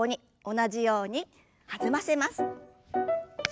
同じように弾ませます。